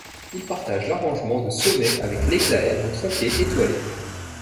Il partage l'arrangement de sommet avec l'hexaèdre tronqué étoilé.